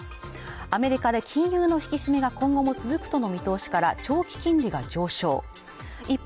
アメリカで金融の引き締めが今後も続くとの見通しから長期金利が上昇一方